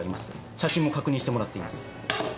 写真も確認してもらっています。